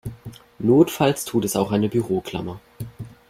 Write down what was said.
Notfalls tut es auch eine Büroklammer.